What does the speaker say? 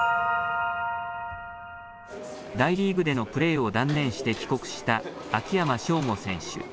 大リーグでのプレーを断念して帰国した秋山翔吾選手。